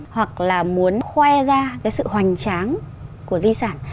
hoặc là muốn khoe ra cái sự hoành tráng của di sản